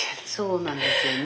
そうなんですよね。